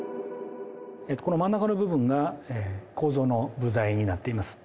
この真ん中の部分が構造の部材になっています。